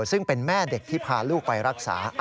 ซึ่งเป็นแม่เด็กที่พาลูกไปรักษา